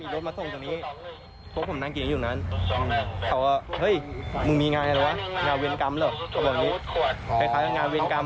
มีรถมาส่งตรงนี้พวกผมนั่งกินอยู่ตรงนั้นเขาก็เฮ้ยมึงมีงานอะไรวะงานเวรกรรมเหรอเขาบอกนี้คล้ายคล้ายกับงานเวรกรรมอ่ะ